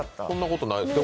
そんなことない？